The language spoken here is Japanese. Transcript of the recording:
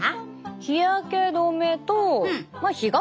日焼け止めとまあ日傘。